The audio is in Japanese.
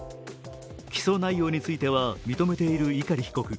起訴内容については認めている碇被告。